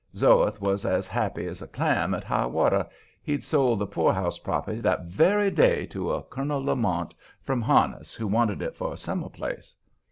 Zoeth was as happy as a clam at high water; he'd sold the poorhouse property that very day to a Colonel Lamont, from Harniss, who wanted it for a summer place.